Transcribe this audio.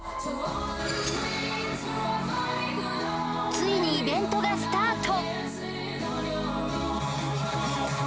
ついにイベントがスタート